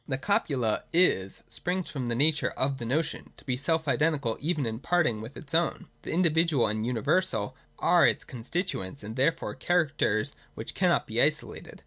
The copula 'is ' springs from the nature of the notion, to be self identical even in parting with its ovwi. The in dividual and universal are its constituents, and therefore characters which cannot be isolated.